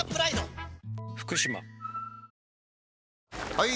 ・はい！